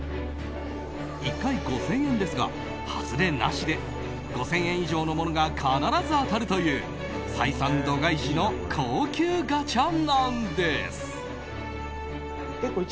１回５０００円ですがハズレなしで５０００円以上のものが必ず当たるという採算度外視の高級ガチャなんです。